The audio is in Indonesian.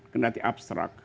kena arti abstrak